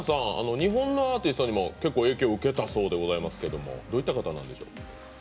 日本のアーティストにも結構、影響を受けたそうでございますけどどういった方なんでしょう？